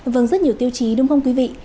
vâng rất nhiều tiêu chí đúng không quý vị